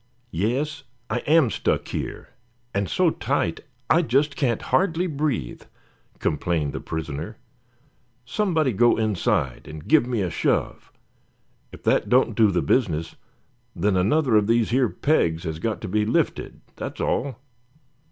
"Yes, I am stuck here, and so tight I just can't hardly breathe," complained the prisoner. "Somebody go inside, and give me a shove. If that don't do the business, then another of these here pegs has got to be lifted, that's all."